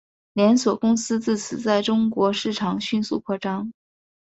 连锁公司自此在中国市场迅速扩张。